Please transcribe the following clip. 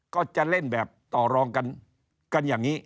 ก็จะเล่นแบบต่อรองกันอย่างนี้